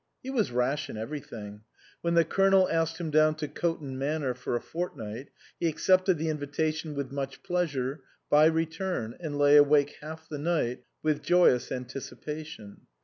He was rash in everything. When the Colonel asked him down to Coton Manor for a fortnight, he accepted the invitation (with much pleasure) by return, and lay awake half the night with joyous anticipation.